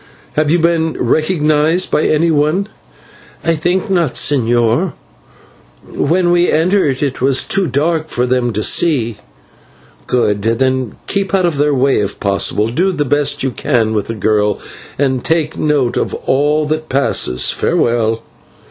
Have you been recognised by anyone?" "I think not, señor. When we entered it was too dark for them to see." "Good. Then keep out of their way if possible, do the best you can with the girl, and take note of all that passes. Farewell."